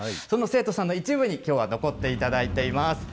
その生徒さんの一部に、きょうは残っていただいています。